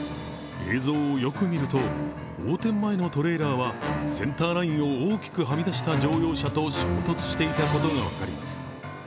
映像をよく見ると、横転前のトレーラーはセンターラインを大きくはみ出した乗用車と衝突していたことが分かります。